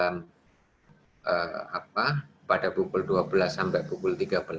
kami akan mendatangi mereka pada pukul dua belas sampai pukul tiga belas